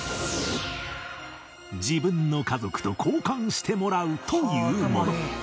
自分の家族と交換してもらうというもの